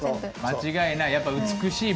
間違いない。